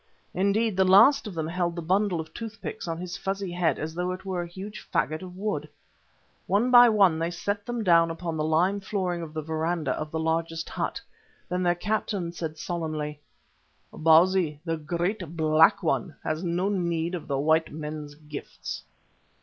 Indeed the last of them held the bundle of toothpicks on his fuzzy head as though it were a huge faggot of wood. One by one they set them down upon the lime flooring of the verandah of the largest hut. Then their captain said solemnly: "Bausi, the Great Black One, has no need of the white men's gifts."